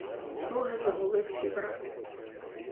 Слуги загули всі враз.